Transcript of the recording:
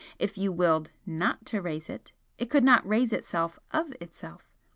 If you willed NOT to raise it, it could not raise itself OF itself.